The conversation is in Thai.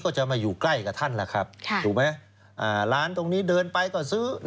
ก็จะมาอยู่ใกล้กับท่านแหละครับถูกไหมร้านตรงนี้เดินไปก็ซื้อ